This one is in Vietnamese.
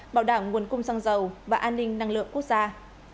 bảo đảm nguồn cung xăng dầu và an ninh năng lượng quốc gia